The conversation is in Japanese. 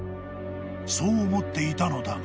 ［そう思っていたのだが］